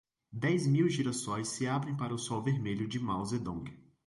Dez mil girassóis se abrem para o sol vermelho de Mao Zedong